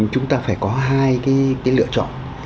chúng ta phải có hai cái lựa chọn